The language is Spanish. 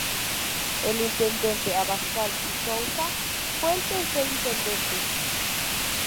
El Intendente Abascal y Souza fue el tercer intendente.